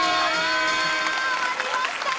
あ終わりましたが。